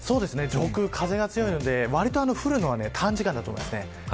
上空、風が強いので、わりと降るのは短時間だと思います。